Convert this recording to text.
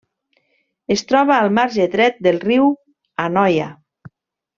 Es troba al marge dret del riu Anoia.